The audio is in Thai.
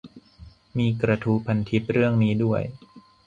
มีกระทู้พันทิปเรื่องนี้ด้วย